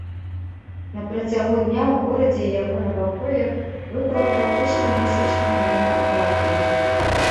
На працягу дня ў горадзе і яго наваколлях выпала практычна месячная норма ападкаў.